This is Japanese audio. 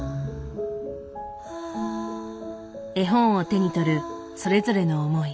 絵本を手に取るそれぞれの思い。